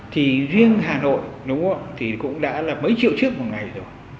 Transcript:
thì riêng hà nội cũng đã là mấy triệu chiếc một ngày rồi